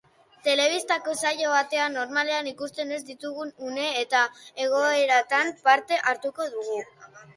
Telebistako saio batean normalean ikusten ez ditugun une eta egoeretan parte hartuko dugu.